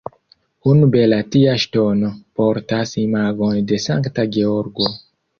Unu bela tia ŝtono portas imagon de Sankta Georgo.